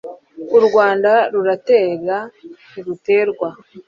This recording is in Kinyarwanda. u rwanda ruratera ntiruterwa